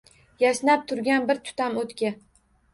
Yashnab turgan bir tutam oʻtga.